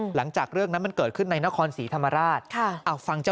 หลังจากเรื่องนั้นมันเกิดขึ้นในนครศรีธรรมราชฟังเจ้า